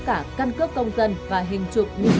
thế nhưng tiền mất tật mang